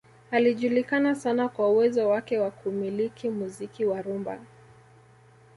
Alijulikana sana kwa uwezo wake wa kuumiliki muziki wa rumba